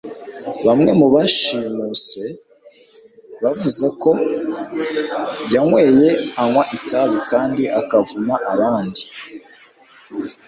bamwe mu bashimuse bavuze ko yanyweye, anywa itabi kandi akavuma; abandi